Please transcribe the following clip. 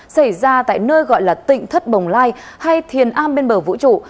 xảy ra tại nơi gọi là tỉnh thất bồng lai hay thiền am bên bờ vũ trụ